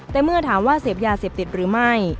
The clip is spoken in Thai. แต่เมื่อถามว่าเสพยาเสพติดหรือไม่